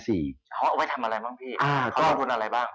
อ๋อเอาไปทำอะไรบ้างพี่อัพกรณฑ์พรุนอะไรบ้าง